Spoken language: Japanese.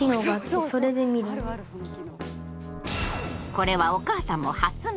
これはお母さんも初耳！